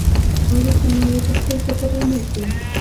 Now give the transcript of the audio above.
تورې خونې یې پخپل فکر رڼې کړې.